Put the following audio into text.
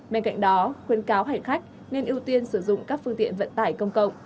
bên cạnh đó khuyên cáo hành khách nên ưu tiên sử dụng các phương tiện vận tải công cộng